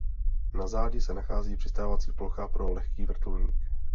Na zádi se nachází přistávací plocha pro lehký vrtulník.